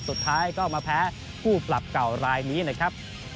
สุดท้ายก็มาแพ้คู่ปรับเก่ารายนี้นะครับ